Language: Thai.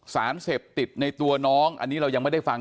สารเสพติดในตัวน้องอันนี้เรายังไม่ได้ฟัง